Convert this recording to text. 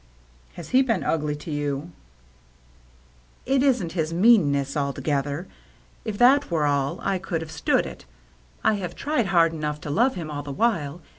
" Has he been ugly to you ?"" It isn't his meanness altogether. If that were all, I could have stood it. I have tried hard enough to love him all the while.